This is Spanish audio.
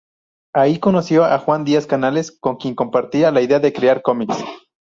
Ahí conoció a Juan Díaz Canales, con quien compartía la idea de crear cómics.